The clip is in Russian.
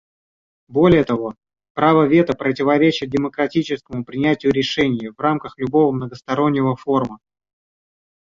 Более того, право вето противоречит демократическому принятию решений в рамках любого многостороннего форума.